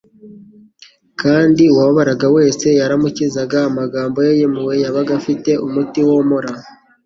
kandi uwababaraga wese yaramukizaga; amagambo Ye y'impuhwe yabaga afite umuti womora.